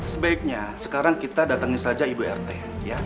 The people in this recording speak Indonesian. sebaiknya sekarang kita datangin saja ibu rt